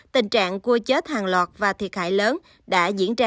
tình trạng cua chết hàng loạt và thiệt hại lớn đã diễn ra khoảng ba năm trước